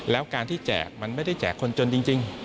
แล้วการที่แจกมันไม่ได้แจกคนจนจริง